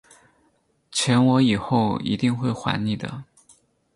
钱我以后一定会还你的